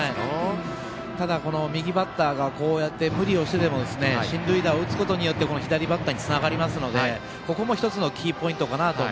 ただ、右バッターがこうやって無理をしてても進塁打を打つことによってつながりますのでここも１つのキーポイントかなと。